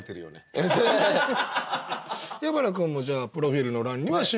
矢花君もじゃあプロフィールの欄には趣味。